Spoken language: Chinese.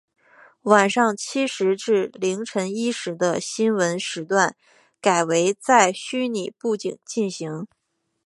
晚上七时至凌晨一时的新闻时段改为在虚拟布景进行。